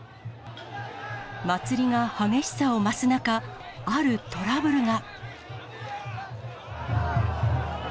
祭りが激しさを増す中、あるトラブルが。